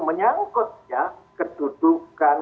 menyangkut ya kedudukan